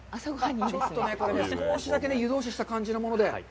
ちょっとね、これ、少しだけ湯通しした感じのもので。